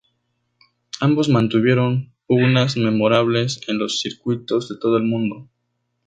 Ambos mantuvieron pugnas memorables en los circuitos de todo el mundo.